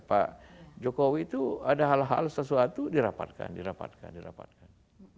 pak jokowi itu ada hal hal sesuatu dirapatkan dirapatkan dirapatkan